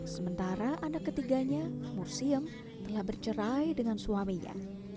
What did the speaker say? sementara anak ketiganya mursiem telah bercerai dengan suaminya